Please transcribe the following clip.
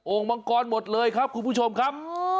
มังกรหมดเลยครับคุณผู้ชมครับ